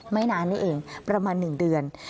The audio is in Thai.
ไม่นานนี่เองประมาณ๑เดือน